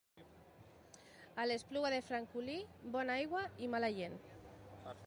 A l'Espluga de Francolí, bona aigua i mala gent.